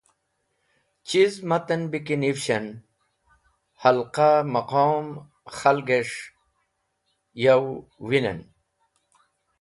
Chiz matan bẽ ki nivishẽn hẽlqa tẽmom khalgẽs̃h yo winẽn